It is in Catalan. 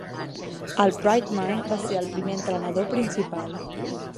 Al Brightman va ser el primer entrenador principal.